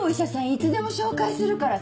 いつでも紹介するから。